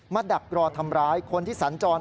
ดักรอทำร้ายคนที่สัญจร